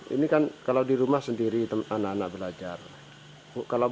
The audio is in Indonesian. ini kan kalau di rumah sendiri anak anak belajar kalau bosan bagaimana